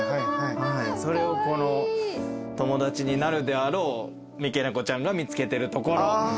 それをこの友達になるであろう三毛猫ちゃんが見つけてるところ。